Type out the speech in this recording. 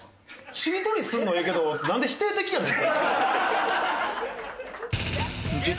しりとりするのええけどなんで否定的やねん。